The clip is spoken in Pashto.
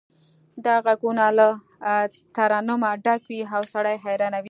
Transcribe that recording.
دا غږونه له ترنمه ډک وي او سړی حیرانوي